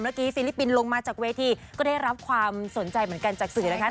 ฟิลิปปินส์ลงมาจากเวทีก็ได้รับความสนใจเหมือนกันจากสื่อนะคะ